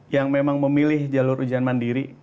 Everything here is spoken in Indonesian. yang memang memilih jalur ujian mandiri